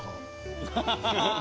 ハハハハ。